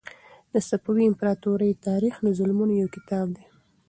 د صفوي امپراطورۍ تاریخ د ظلمونو یو کتاب دی.